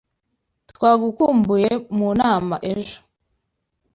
Twagukumbuye mu nama ejo.